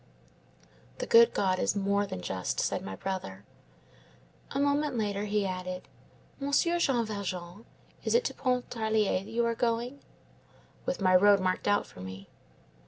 "'The good God is more than just,' said my brother. "A moment later he added:— "'Monsieur Jean Valjean, is it to Pontarlier that you are going?' "'With my road marked out for me.